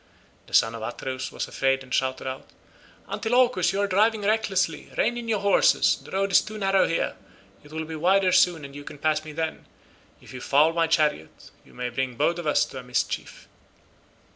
The son of Atreus was afraid and shouted out, "Antilochus, you are driving recklessly; rein in your horses; the road is too narrow here, it will be wider soon, and you can pass me then; if you foul my chariot you may bring both of us to a mischief."